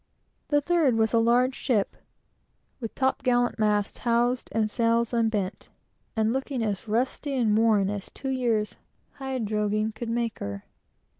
The third was a large ship, with top gallant masts housed, and sails unbent, and looking as rusty and worn as two years' "hide droghing" could make her.